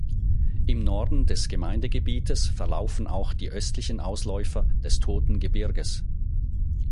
Im Norden des Gemeindegebietes verlaufen auch die östlichen Ausläufer des Toten Gebirges.